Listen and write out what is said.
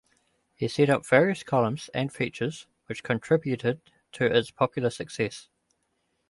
He set up various columns and features, which contributed to its popular success.